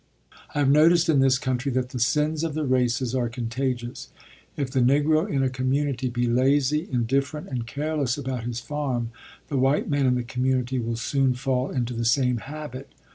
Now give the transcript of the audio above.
I have noticed in this country that the sins of the races are contagious. If the Negro in a community be lazy, indifferent, and careless about his farm, the white man in the community will soon fall into the same habit.